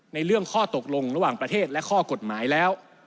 ในเรื่องข้อตกลงระหว่างประเทศและข้อกฎหมายแล้ว